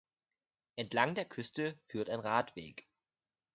Entlang der Küste führt ein Radweg